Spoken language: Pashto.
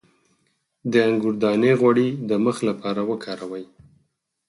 د انګور دانه غوړي د مخ لپاره وکاروئ